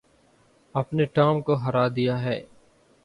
آپ نے ٹام کو ہرا دیا ہے۔